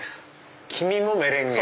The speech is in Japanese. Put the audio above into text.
黄身もメレンゲ！